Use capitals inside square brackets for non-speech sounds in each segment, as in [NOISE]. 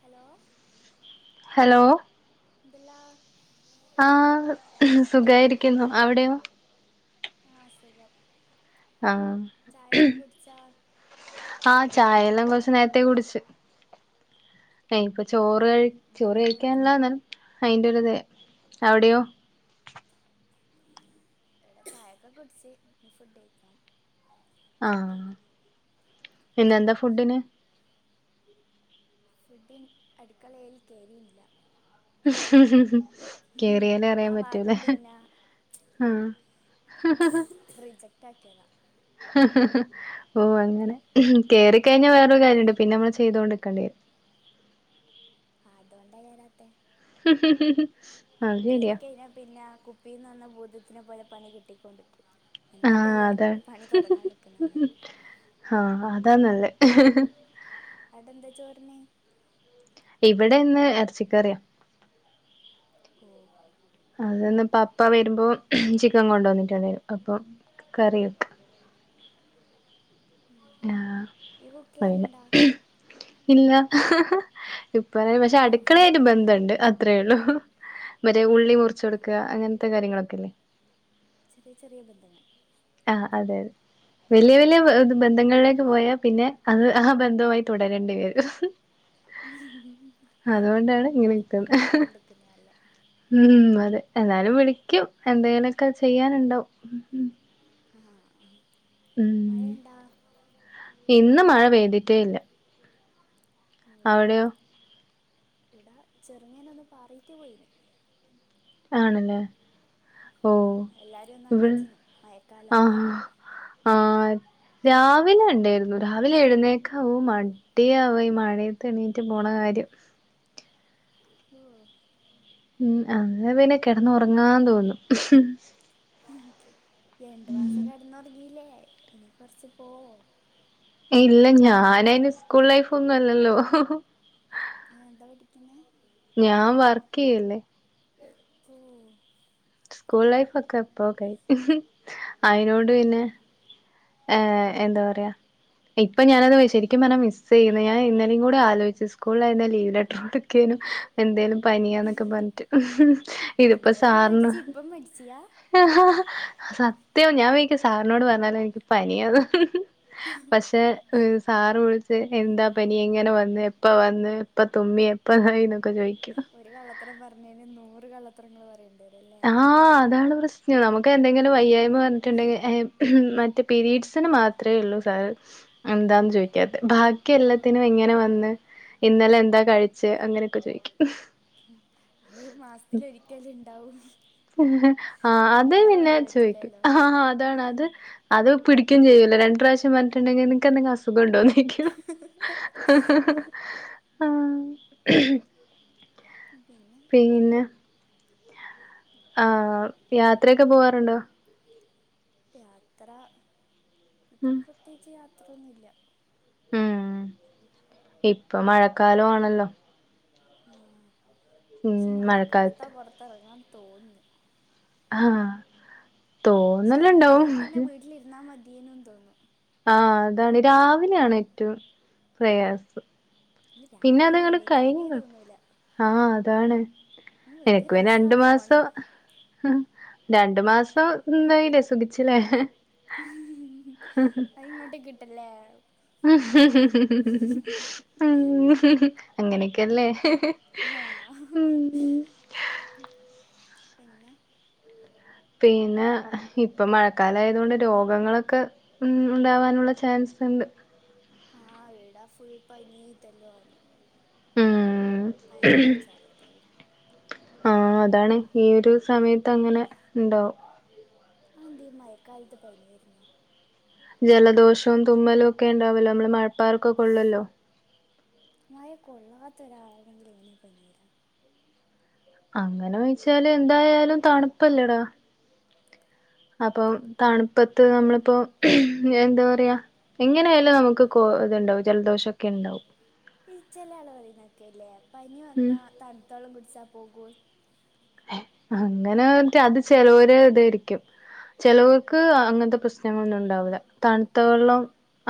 Hello hello [UNINTELLIGIBLE] ആ ങ്ഹും സുഖായിരിക്കുന്നു. അവിടെയോ? ആ സുഖം ആ ചായൊക്കെ കുടിച്ചാ ആ ചായെല്ലാം കൊറച്ച് നേരെത്തെ കുടിച്ച് ദേ ഇപ്പ ചോറ്. ഉം കഴി എന്താ ചോറ് കടി കഴിക്കാനല്ല എന്നലും അതിൻ്റെ ഒരിത്. അവിടെയോ? എവടെ ചായക്കെ കുട്ച്ച് ഞ്ഞി ഫുഡഴിക്കണം. ആ പിന്നെ എന്താ ഫുഡിന്? ഫുഡിന് അടുക്കളയില് കേറിൻല്ല ഹും ഹും കേറിയാലേ ആ അറിയാൻ ഭാഗം പറ്റൂല്ലേ? പിന്നെ ആ റ്റാക്കിയതാ ഓ അങ്ങനെ കേറി കയ്ഞ്ഞാ വേറെ ഒര് കാര്യണ്ട് പിന്നെ നമ്മള് ചെയ്തോണ്ട് നിക്കണ്ടി വരും. അതുകൊണ്ടാ ഹ ഹ ഹ കേറീ കഴിഞ്ഞാ പിന്നെ കുപ്പിയിന്ന് വന്ന ഭൂതത്തിനെ പോലെ പണി കിട്ടിക്കൊണ്ട്ക്കും. ആഹ് ന്നാട്ടല്ലേ അതാണ് പണി തൊടങ്ങാൻ നിക്കുന്നല്ലേ? അതാന്നല്ലേ? അടെന്താ ചോറി ഇവിടെന്ന് എറച്ചിക്കറിയാ ഓ അതന്ന് പപ്പ വരുമ്പോ ചിക്കൻ കൊണ്ടന്നിട്ടുണ്ടാരുന്നു. അപ്പ കറിവെക്ക ഉം ഇയ്യ് കുക്ക്യ്യല്ണ്ടോ? ഇല്ലാ ഇപ്പഴേ പക്ഷേ ഓഹ് അടുക്കളയായിട്ട് ബന്ധണ്ട്. അത്രേള്ളു. മറ്റേ ഉൾ ഉള്ളി മുറിച്ച് കൊടുക്കാ അങ്ങൻ കാര്യങ്ങളൊക്കെ ഇല്ലേ ചെറിയ ചെറിയ ബന്ധങ്ങൾ ആ അതെ അതെ വലിയ വലിയ ബന്ധങ്ങളിലേക്ക് പോയാ പിന്നെ അത് ആ ബന്ധവുമായി തുടരേണ്ടി വെ ഇങ്ങനെ അപ്പൊ നിക്കുന്നത് പോവാണ്ടിക്കുന്നേ നല്ലേ [UNINTELLIGIBLE] എന്നാലും വിളിക്കും എന്തെങ്കിലിക്കെ ചെയ്യാനുണ്ടാവും ഉം ആഹ് ഉം മഴെണ്ടാ? ഇന്ന് മഴ പെയ്തിട്ടേ ഇല്ല ഉം അവിടെയോ ഇടാ ചെറുങ്ങനെ ഒന്ന് പാറീറ്റ് പോയീനി ആണല്ലേ ഓ ആ എല്ലാരും ഒന്നും ഇവി അറിയിച്ചിന് മയക്കാലാന്ന് ആഹ് ആഹ് രാവിലെ ഇണ്ടായിരുന്നു, രാവിലെ എഴുന്നേക്കാവും മടിയാവാ ഈ മഴയത്ത് എണീറ്റ് പോണ കാര്യം ഓ ഉം അങ്ങ പിന്നെ കിടന്നൊറങ്ങാൻ തോന്നും. രണ്ട് മാസം കിടന്നുറങ്ങീല്ലേ ഇനി കൊറച്ച് പോ ഇല്ല ഞാനയിന് സ്കൂൾ ലൈഫ് ഒന്നും അല്ലല്ലോ ഏ എന്താ പഠിക്കുന്നെ ഞാൻ വർക്കെയ്യല്ലേ ഓ സ്കൂൾ ലൈഫ് ഒക്കെ എപ്പോ കഴി അയിനോട് പിന്നെ ഏ ഉം എന്താ പറയാ ഇപ്പം ഞാനത് ശെരിക്കും പറഞ്ഞാ മിസ്സെയ്യ്ന്ന് ഞാൻ ഇന്നലിം കൂടെ ആലോയിച്ചു സ്കൂളിൽ ആയിരുന്നേൽ ലീവ് ലെറ്റർ കൊടുക്കേനു എന്തേലും പനിയാന്നൊക്കെ പറഞ്ഞിട്ട് ഇതിപ്പോ അന്നേരം സാറിന് മടിച്ച് ഇപ്പം മടിച്ചിയാ സത്യവും ഞാൻ ഒരിക്കെ സാറിനോട് പറഞ്ഞാന്ന് എനിക്ക് പനിയാന്ന് പശെ സാറ് വിളിച്ച് എന്താ പനി എങ്ങനെ വന്ന് എപ്പ വന്ന് എപ്പ തുമ്മി എപ്പ ഇതായി തൊക്കെ ഒരു കള്ളത്തരം പറഞ്ഞേന് നൂറ് കള്ള ത്തരങ്ങള് പറയണ്ട് ആഹ് അതാണ് പ്രശ് [UNINTELLIGIBLE] ഒക്കെ എന്തെങ്കിലും വയ്യായ്മ പറഞ്ഞിട്ടുണ്ടെങ്കി ഏ മറ്റേ പിരീഡ്സിന് മാത്രേ ഉള്ളൂ സാറ് എന്താന്ന് ചോയിക്കാത്തെ ബാ ക്കി എല്ലത്തിനും ഓ ഇങ്ങനെ വന്ന് ഇന്നലെ എന്താ കഴിച്ച് അങ്ങനെയൊക്കെ ചോയിക്കും. അത് മാസത്തില് ഒരിക്കല്ലെ ഇണ്ടാവു ആ അത് പിന്നെ ചോയിക്കും പറ്റൂലല്ലോ ആ അതാണ് അത് അത് അത് പിടിക്കേം ചെയ്യുല്ലോ രണ്ട് പ്രാവശ്യം പറഞ്ഞിട്ടുണ്ടെങ്കി നിങ്ങക്കെന്തങ്കി അസു സുഖം ഉണ്ടോന്ന് ചോയ്ക്കും. ആഹ് [UNINTELLIGIBLE] പിന്നെ ആ യാത്ര ഒക്കെ പോവാറുണ്ടോ? യാത്ര ഇപ്പം ഉം പ്രത്യേകിച്ച് യാ ത്രൊന്നുല്ല ഉം ഇപ്പം മഴ കാലോണല്ലോ ക്ഷെ മഴക്കാലത്താ മഴക്കാലത്ത് പൊറത്തെറങ്ങാൻ തോന്നുന്നെ ആഹ് തോന്നല് ണ്ടാവും ഹ് യീനും തോന്നും ആഹ് അതാണ് രാവിലാണ് ഏറ്റവും പ്രയാസം. അത് പിന്നെ രാവിലന്നെ അതങ്ങട് എണീക്കാനേ തോനൂല. [INAUDIBLE] താണ് എനക്ക് പിന്നെ രണ്ട് ഫോണ് മാസം രണ്ടു മാസം ഇന്തയിലെ സുഖിച്ചിലെ. അഹ്ഇങ്ങോട്ടേക്കിട്ടല്ലേ അങ്ങനെക്കല്ലേ ആഹ് പിന്നെ പിന്നെ ഇപ്പ മഴക്കാലായതോണ്ട് രോഗങ്ങളൊക്കെ ൺ ണ്ടാവാനുള്ള ചാൻസ്ണ്ട്. ആ എടാ ഫുൾ പനീം ഇതല്ലോ ഉം പനിയും ചർദ്ദിയും ആ അതാണ് ഈ ഒരു സമയത്ത് അങ്ങനെ ണ്ടാവും ആ ന്തീ മഴക്കാലത്ത് പനിവര്ന്ന് ജലദോഷം തുമ്മലൊക്കെണ്ടാവല്ലോ മ്മള് മഴപ്പാറൊക്കെ കൊള്ളല്ലോ ത്ഒരാണെങ്കിലേ എങ്ങനാ പനി വരാ അങ്ങനെ ചോയ്ച്ചാല് എന്തായാലും തണ്പ്പല്ലെടാ അപ്പം തണ്പ്പത്ത് നമ്മളിപ്പോ എന്താ പറയാ എങ്ങനെയാലും നമുക്ക് കൊ ഇത്ണ്ടാവും ജലദോഷക്കെണ്ടാവും ഈ ചെല ആള് പറന്നേക്കെല്ലേ ഉം പനിവന്നാ തണ്ത്തള്ളം കുടിച്ചാ പോകൂ ഏ അങ്ങനെട്ട അത് ചെലോരെ തായിരിക്കും ചെലോർക്ക് അങ്ങൻത്തെ പ്രശ്നങ്ങളൊന്നുണ്ടാവൂല തണ്ത്ത വെള്ളം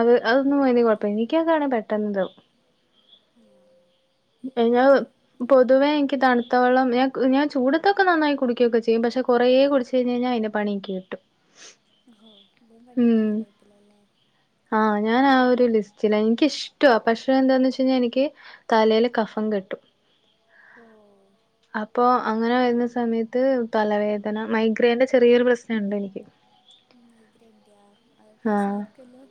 അത് അതൊന്നും വല്യേ കൊഴപ്പം എനിക്കൊക്കാണേ പെട്ടന്ന്താവും ആ ഞാ പൊതുവെ ഇൻക്ക് തൺത്ത വെളളം ഞാ ഞാൻ ചൂടത്തൊക്കെ നന്നായി കുടികൊക്കെ ചെയ്യും പക്ഷെ കൊറേ കുടിച്ച് കഴിഞ്ഞഴിഞ്ഞാ അയ്ന്റെ പണി ൻക്ക് കിട്ടും. ഹോ തും പണി ഉം കിട്ട്ന്നടൈപ്പിലല്ലേ ലിസ്റ്റിനാ ൻക്കിഷ്‌ടവാ പക്ഷെ എന്താന്ന് വെച്ച് കഴിഞ്ഞാ എനിക്ക് തലേലെ കഫം കെട്ടും ഓഹ് അപ്പൊ അങ്ങനെ വര്ന്ന സമയത്ത് തലവേദന മൈഗ്രേന്റെ ചെറിയോരു പ്രസ്നണ്ടെനിക്ക് മൈഗ്രേന്റെയാ അത് ആഹ് പ്രശ്നായിരിക്കു അല്ലോ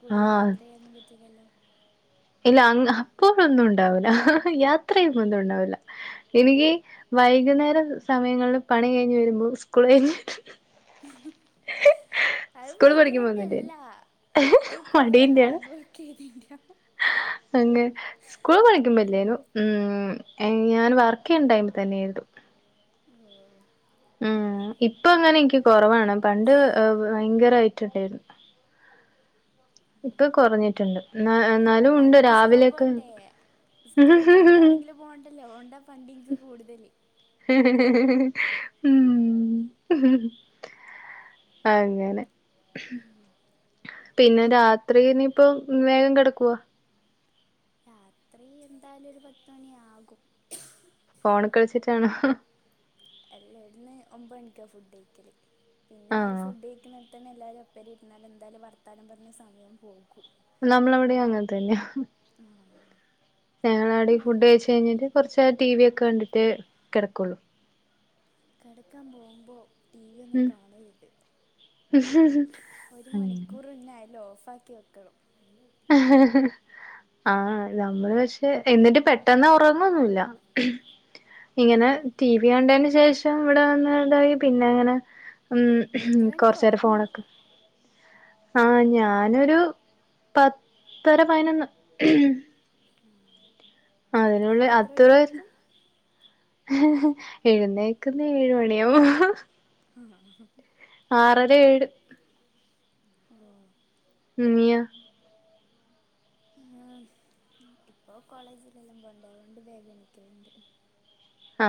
കൂട്തല് ആഹ് യാത്ര ചെയ്യാനൊന്നും പറ്റില്ലല്ലോ ഇല്ല അങ്ങ അപ്പോഴുന്നുണ്ടാവൂല യാത്രയ്യുമ്പാെന്നുണ്ടാവൂല എനിക്ക് വൈകുന്നേര സമയങ്ങളില് പണി കഴിഞ്ഞ് വരുമ്പോ സ്കൂളയ്ഞ്ഞ് അത് സ്കൂൾ പഠിക്കുമ്പോ ഒന്നുല്ലേനു മൈഗ്രേന്റല്ല അത് കൊറേ ഹാഡ് വർക്കെയ്തേന്റയാ അങ്ങെ സ്കൂൾ പഠിക്ക്മ്പ ല്ലേനു ഉം ഞാന് വർക്കെയ്യണ്ട ടൈമ് തന്നെയായിരുന്നു. ഓഹ് ഉം ഇപ്പൊ അങ്ങനെ ഇൻക്ക് കൊറ വാണ്. പണ്ട് ഭയങ്കരായിട്ട്ണ്ടായിര്ന്ന്. എന്നാലും ഉണ്ട് പണ്ടിസ്കോ രാവിലെയൊക്കെ പോണ്ടേ ഇസ്കോൾല് പനിയാണെങ്കില് പോണ്ടല്ലേ ഓണ്ട പണ്ട് ഇൻക്ക് കൂടുതല്. അങ്ങനെ ഉം പിന്നെ രാത്രിനി ഇപ്പം വേഗം കെടക്കോ രാത്രി എന്തായാലും ഒരു പത്തുമണിയാകും. ഫോണ് കളിച്ചിട്ടാണോ? എല്ല ഇട്ന്ന് ഒമ്പണിക്കാ ഫുഡയി ക്കല്. പിന്നെ ആള് ആഹ് ഫുഡയിക്ക്ണ ഇപ്പത്തന്നെ എല്ലരും ഒപ്പരി ഇര് ന്നാലും എന്താലും വർത്താനം പർഞ്ഞ് സമയം പോകും. നമ്മളെവിടെയും അങ്ങനെത്തന്നെയ ആഹ് ഞങ്ങള ആടേം ഞാൻ ഈ ഫുഡ് ഓരോന്ന് കഴിച്ച് കഴിഞ്ഞിട്ട് പറഞ്ഞേരാ കൊർച്ചേരം ടി വി ഒക്കെ കണ്ടിട്ടെ കെടക്കോള്ളു. കെടക്കാൻ പോമ്പോ ടി വി ഒന്നും ഉം കാണര്ത്. ഒരു അങ്ങനെ മണിക്കൂറ് [UNINTELLIGIBLE] ഓഫാക്കി വെക്കണം. ആ നമ്മള് പഷെ എന്നിട്ട് പെട്ടെന്ന് ഉറങ്ങൊന്നുല്ല. ഇങ്ങനെ ടി ഉം വി കണ്ടെന് ശേഷം ഇപ്പം ഇവിടെ വന്നതായി പിന്നെ ങ്ങനെ ഉം ഹ് എത്ര മണിക്ക് കൊർച്ചേരം ഉറങ്ങും ഫോണെക്ക്. ആ ഞാനൊരു പത്തര പയിനൊന്ന് അതിനുള്ള രാവിലെ എത്ര മണിക്ക് അത്രേം എണീക്കും ഹ് ഹ് എഴുന്നേക്കുന്നെ ഏഴു മണിയാവും. ഹ് ആഹ് ആറര ഏഴ്. അലോ [UNINTELLIGIBLE] ആ ഇപ്പൊ കോളേജിലെല്ലാം പോണ്ടെ, അതോണ്ട് വേഗം എണീക്കല്ണ്ട്. ആ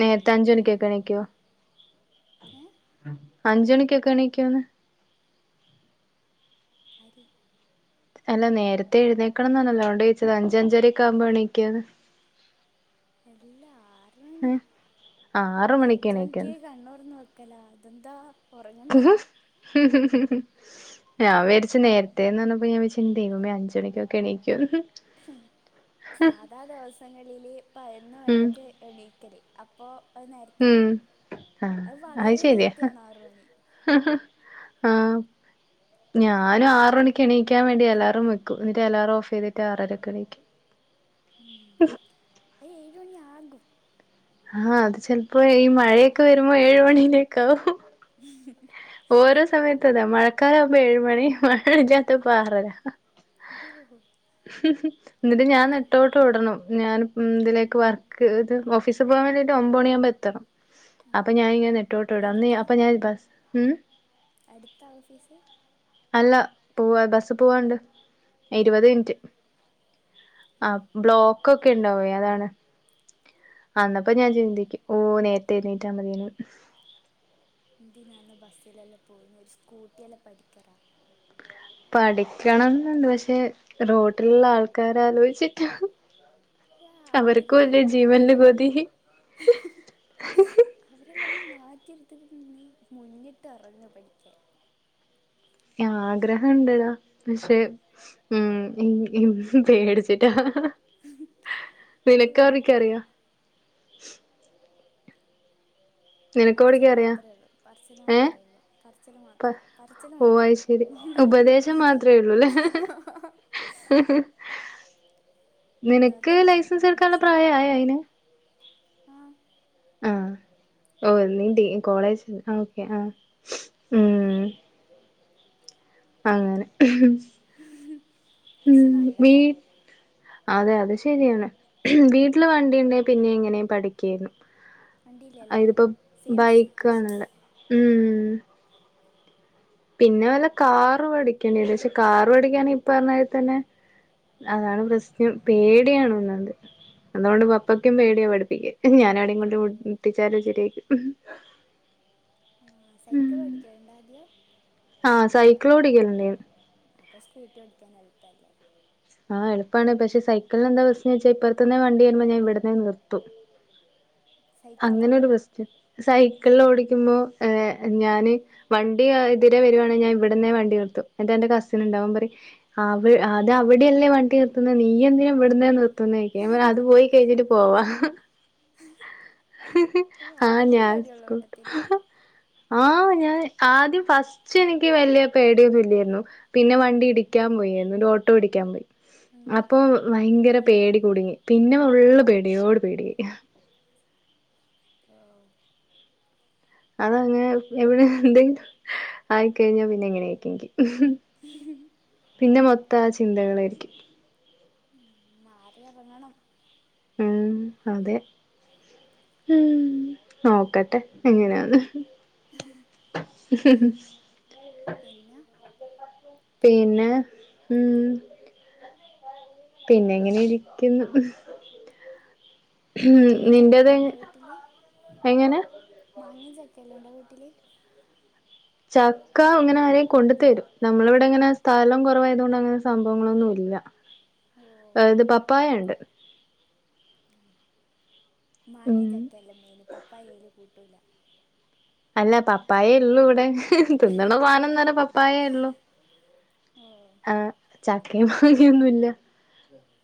നേരത്തെ അഞ്ചു അല്ലെങ്കില് മണിക്ക്ക്കെ ണീക്കോ? ഏഹ് അഞ്ചു ണിക്കൊക്കെണിക്കോന്ന്. ആരെ അല്ല നേരത്തെ എഴുന്നേക്കണം ന്നർഞ്ഞല്ലോ തോണ്ട് ചോദിച്ചതാ അഞ്ച് അഞ്ചര ഒക്കെ ആവുമ്പോ എണിക്ക എല്ലാ ആറ്മണി ആറ് ല്ല അഞ്ചു മണിക്ക് എണീക്കുന്ന് കണ്ണൂതൊർന്നു നോക്ക ക്കല അതന്താ ഉഹ് ഹ് ഹ് ഹ് ഞാ വിചാര്ച്ച് നേരത്തെേന്ന് പറഞ്ഞപ്പോ ഞാൻ വിചാരിച്ചു അഞ്ചു മണിക്കൊക്കെ എണീക്കോന്ന് സാധാ ദിവസങ്ങളില് പതിനൊന്നു ഉം മണിക്ക് എണീക്കല് അപ്പോ അത് ഉം നേരത്തല്ലേ ആഹ് അത് വളരെ ശരിയാ നേരത്തെയാണ് ആറ് മണി ആ ഞാനും ആറ് മണിക്ക് എണീക്കാൻ വേണ്ടി അലാറം വെക്കും ന്നിട്ട് അലാറം ഓഫ് ചെയ്തിട്ട് ആറരക്കെണീക്കും ഉം അത് ഏഴു മണി ആകും. ആ അത് ചെിലപ്പോ ഈ മഴയൊക്കെ വരുമ്പോ ഏയു മണിയിലേക്കാകും ഓരോ സമയത്തതാ മഴക്കാലം ഏഴു മണി മഴയില്ലാത്തപ്പോ ആറര ഓ എന്നിട്ട് ഞാൻ നെട്ടോട്ട് ഓടണം ഞാൻ ഉം ഇതിലേക്ക് വർക്ക് ഇത് ഓഫീസിൽ പോവാണ്ടീട്ട് ഒമ്പത് മണിയാകുമ്പോ എത്തണം ഓ അപ്പൊ ഞാനിങ്ങനെ നെട്ടോട അന്ന് അപ്പൊ ഞാൻ ബസ് ഉം അടുത്ത ഓഫീസ് അല്ല പോവാ ബസ്സ് പോവാണ്ട് ഓ ഇരുപത് മിനിറ്റ് ആ ബ്ലോക്ക്ക്കെ ണ്ടാവെ അതാണ് അന്നപ്പോ ഞാൻ ചിന്തിക്കും ഓ നേരെത്തെ എണീറ്റാ മതിയേനു എന്തിനാന്ന് ബസ്സിലല്ലേ പോകുന്നു ഒരു സ്കൂട്ടി എല്ലാം പഠിക്കടാ പഠിക്കണംന്ന്ണ്ട് പക്ഷെ റോട്ടില്ള്ളെ ആൾക്കാരലോചിച്ചിട്ടാ അവര് അവരെല്ലാം ഗതി അവരെല്ലാം അങ്ങ് മാറ്റ് ഇതിന് നീ മുന്നിട്ട് എറങ് പഠിക്കാൻ ആഗ്രഹം ഇണ്ട്ടാ പക്ഷെ ഉം പേടിച്ചിട്ടാ പേടി പാടില്ല [UNINTELLIGIBLE] നിനക്ക് പറച്ചില് ഓടിക്കാൻ അറിയാ മാത്രമേ ഉള്ളൂ പറച്ചില് ഏ മാത്രമേ ഉള്ളൂ പറച്ചില് മാത്രം പറച്ചില് ഓ മാത്രം അത് ശരി ഉപദേശം മാത്രേ ഉള്ളൂല്ലേ ഇതുപോലെ നിനക്ക് തന്നെ ലൈസൻസ് എടുക്കാനുള്ള പ്രായയായോ അയിന് ആ ആ ഓ നീ കോളേജ് ഓക്കെ ആ ഉ അങ്ങനെ ഉം ഹ് പക്ഷെ വീ നല്ലതാ അതെ അതെ ശെരിയാണ് വീട്ടില് വണ്ടിഴുണ്ടെ പിന്നെ എങ്ങനെയും പഠിക്കേരുന്നു വണ്ടിയിലല്ലേ അതിപ്പോ സെയിം ബൈക്ക് സിറ്റുവേഷൻ ആണല്ലോ ഉം ഉം പിന്നെ വല്ല കാറ് പഠിക്കേണ്ടി വരും. പക്ഷെ കാറ് പഠിക്കാൻ ഇപ്പറഞാരിതന്നെ, അതാണ് പ്രശ്നം പേടിയാണൊന്നാമത് അതുകൊണ്ട് പപ്പക്കും പേടിയാ പഠിപ്പിക്കാൻ ഞാനെവെടേലും കൊണ്ട് മുട്ട് ഓഹ് മുട്ടിച്ചാലോ [UNINTELLIGIBLE] ഹും ആ സൈക്കിളോടിക്കല്ണ്ടോ ആദ്യം ആ സൈക്കിളോടിക്കല്ണ്ട് തന്നെയാ ആ എളുപ്പാണ് പക്ഷെ സൈക്കിളിനെന്താ പ്രശ്നംന്ന് വെച്ച ഇപ്പറത്തുന്നു വണ്ടി വരുമ്പോ ഞാൻ ഇവിടുന്നെ നിർത്തും സൈക്കളാ അങ്ങനൊരു പ്രശ്നം സൈക്കളോടിക്കുമ്പോ ഏ ഞാന് വണ്ടി എതിരെ വരുവാണെങ്ക ഞാൻ ഇവിടുന്നെ വണ്ടി നിർത്തും ന്നട്ടന്റെ കസിന്ണ്ട് അവൻ പറയും അവി ആദ്യം അവിടെയല്ലേ വണ്ടി നിർത്തുന്നത് നീ എന്തിന ഇവിടുന്നെ നിർ ത്ത്ന്നേ ന്ന് ചോദിക്കും അത് പോയി കഴിഞ്ഞിട്ട് പോവാ ഓഹ് ആ അത്രയ്ക്ക് ഞാൻ പേടിയുള്ള കൂട്ടത്തിലാ ആ ഞാൻ ആദ്യം ഫസ്റ്റ് എനിക്ക് വലിയ പേടിയൊന്നുല്ലേരുന്നു പിന്നെ വണ്ടി ഇടിക്കാൻ പോയാരുന്നു ഒരു ഓ ട്ടോ ഇടിക്കാൻ പോയി ഉം അപ്പൊ ഭയങ്കര പേടി കുടുങ്ങി പിന്നെ ഫുള്ള് പേടിയോട് പേടിയായി ഓഹ് അതങ്ങ് എവിടെ എന്തെങ്കിലും ആയിക്കഴിഞ്ഞാ പിന്നെ എങ്ങനെ ആക്കെങ്കി ഹും പിന്നെ മൊത്തം ആ ചിന്തകളെരിക്കും മ് മാറി എറങ്ങണം ഉം അതെ മ് നോക്കട്ടെ എങ്ങനാന്ന് [INAUDIBLE] പിന്നെ പിന്നെ മ് പിന്നെ ഇങ്ങനിരിക്കുന്നു മാങ്ങയും ചക്കയും അല്ലായിരുന്നോ വീട്ടില് എങ്ങനെ മാങ്ങേ ചക്കേം എല്ലാണ്ടോ വീട്ടില് ചക്ക അങ്ങനെ ആരെലും കൊണ്ടത്തരും. നമ്മളിവിടങ്ങനെ സ്ഥലം കൊറവായത് കൊണ്ട് അങ്ങനെ സംഭവങ്ങളൊന്നും ഇല്ല ഓ ഇത് പപ്പായ ഇണ്ട് മാങ്ങേ ചക്കേ അല്ലെ മെയ്ന് പപ്പായ അയ്ല് കൂട്ടൂല അല്ല പപ്പായേ ഉള്ളു ഇവിടെ തിന്നണ സാധന്നു പറഞ്ഞ പപ്പായേ ഉള്ളു. ഓ ആ ചക്കേം മാങ്ങേ- ഒന്നുല്ല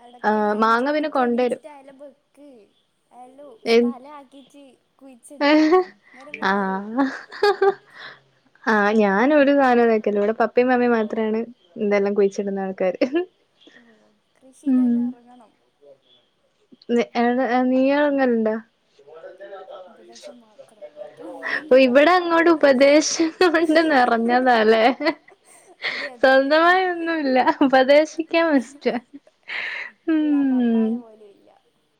അടക്കല്ലേ അഞ്ച് മണിക്ക് എണീച്ചിട്ടായാലും ബെക്ക് അല്ലേ സ്ഥലാക്കീട്ട് ആ ആ ആ ഞാനിവിടെ ഒരു സാനോം വെക്കില്ല ഇവിടെ പപ്പയും മമ്മിയും മാത്രാണ് ഇതെല്ലാം കുഴിച്ചിടുന്ന ആൾക്കാര്. ഓ കൃഷിയിലെല്ലാം എറങ്ങണം നി എട നീ എറങ്ങലുണ്ടോ? ഉപദേശം മാത്രം ഒരിക്കൽ പറഞ്ഞ് വിവിടെ അങ്ങോട് ഉപദേശം കൊണ്ട് നെറഞ്ഞതാലേ അതെ അതെ അതെ ആ സ്വന്തമായി ഒന്നുല്ല ഉപദേശിക്കാൻ ഫസ്റ്റാ ഇവിടെ ആ ഉം പപ്പായ പോലും ഇല്ല